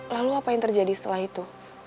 lalu apa yang terjadi setelah itu